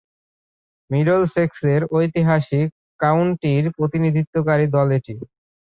মিডলসেক্সের ঐতিহাসিক কাউন্টির প্রতিনিধিত্বকারী দল এটি।